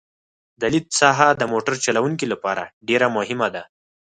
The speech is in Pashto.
د لید ساحه د موټر چلوونکي لپاره ډېره مهمه ده